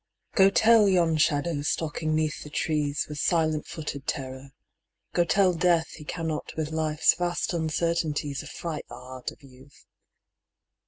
Go tell yon shadow stalking 'neath the trees With silent footed terror, go tell Death He cannot with Life's vast uncertainties Affright the heart of Youth